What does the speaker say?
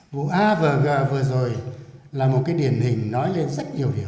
vụ a và g vừa rồi là một cái điển hình nói lên rất nhiều điều